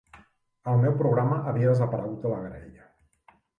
El meu programa havia desaparegut de la graella.